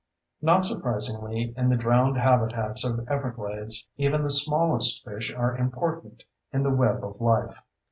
Not surprisingly in the drowned habitats of Everglades, even the smallest fish are important in the web of life.